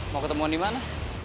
mau ketemuan dimana